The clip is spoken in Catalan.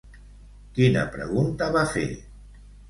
Quina pregunta va fer?